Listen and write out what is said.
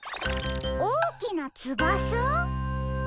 おおきなつばさ？